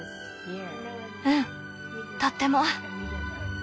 うんとっても。